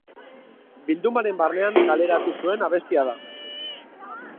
Bildumaren barnean kaleratu zuen abestia da.